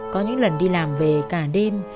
có những lần đi làm về cả đêm